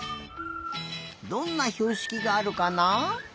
どんなひょうしきがあるかな？